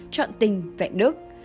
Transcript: chọn tình vẹn đức